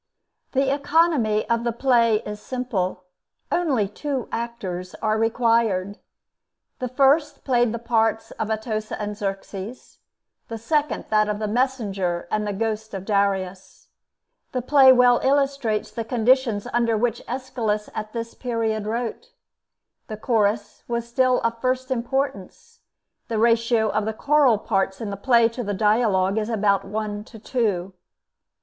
The economy of the play is simple: only two actors are required. The first played the parts of Atossa and Xerxes, the second that of the messenger and the ghost of Darius. The play well illustrates the conditions under which Aeschylus at this period wrote. The Chorus was still of first importance; the ratio of the choral parts in the play to the dialogue is about one to two.